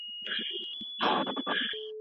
د زده کوونکو د انضباط لپاره مناسب اصول نه وو.